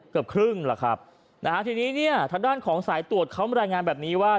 เกือบครึ่งแล้วครับนะฮะทีนี้เนี่ยทางด้านของสายตรวจเขามารายงานแบบนี้ว่า